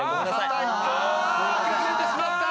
ああ崩れてしまった！